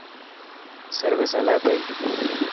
سروس هلي پئي.